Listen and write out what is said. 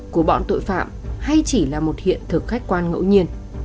của bọn tội phạm hay chỉ là một hiện thực khách quan ngẫu nhiên